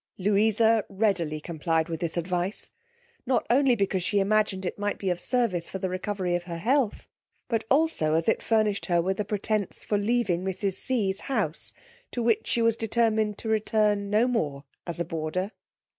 Louisa readily complied with this advice, not only because she imagined it might be of service for the recovery of her health, but also as it furnished her with a pretence for leaving mrs. C ge's house, to which she was determined to return no more as a boarder.